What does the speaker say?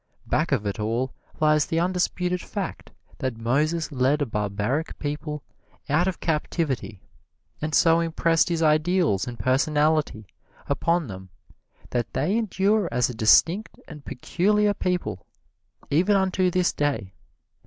Back of it all lies the undisputed fact that Moses led a barbaric people out of captivity and so impressed his ideals and personality upon them that they endure as a distinct and peculiar people, even unto this day.